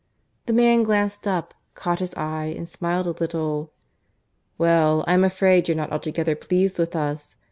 The man glanced up, caught his eye, and smiled a little. "Well, I am afraid you're not altogether pleased with us.